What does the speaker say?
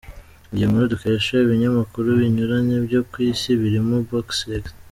Iyi nkuru dukesha ibinyamakuru binyuranye byo ku isi birimo Boxrec.